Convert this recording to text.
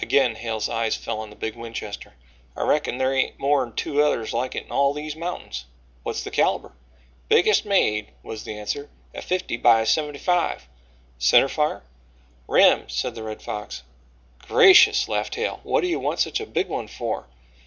Again Hale's eyes fell on the big Winchester. "I reckon thar hain't more'n two others like it in all these mountains." "What's the calibre?" "Biggest made," was the answer, "a 50 x 75." "Centre fire?" "Rim," said the Red Fox. "Gracious," laughed Hale, "what do you want such a big one for?"